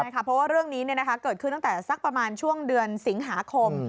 เพราะว่าเรื่องนี้เกิดขึ้นตั้งแต่สักประมาณช่วงเดือนสิงหาคม